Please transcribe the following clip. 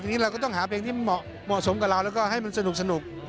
ทีนี้เราก็ต้องหาเพลงที่เหมาะสมกับเราแล้วก็ให้มันสนุก